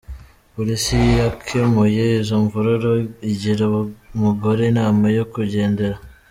Polisi yakemuye izo mvururu, igira umugore inama yo kwigendera.